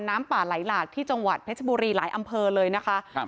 น้ำป่าไหลหลากที่จงหวัดพระยะบุรีหลายอำเพอห์เลยนะครับ